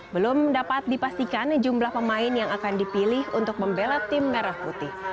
belum dapat dipastikan jumlah pemain yang akan dipilih untuk membela tim merah putih